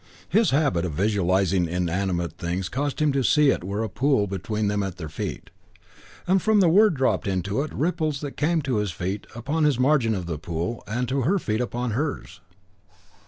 His habit of visualising inanimate things caused him to see as it were a pool between them at their feet, and from the word dropped into it ripples that came to his feet upon his margin of the pool and to her feet upon hers.